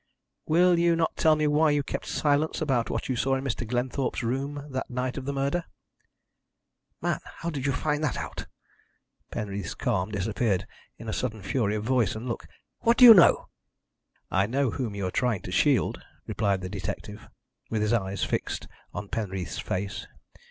"Will you not tell me why you kept silence about what you saw in Mr. Glenthorpe's room that night of the murder?" "Man, how did you find that out?" Penreath's calm disappeared in a sudden fury of voice and look. "What do you know?" "I know whom you are trying to shield," replied the detective, with his eyes fixed on Penreath's face.